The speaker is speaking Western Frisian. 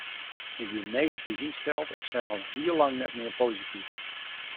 Ik wie negatyf ynsteld en seach al heel lang neat mear posityf.